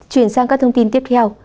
chuyển sang các thông tin tiếp theo